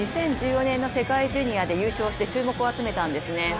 ２０１４年の世界ジュニアで優勝して、注目を集めたんですね